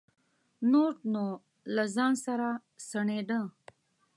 نور نو له ځانه سره سڼېده.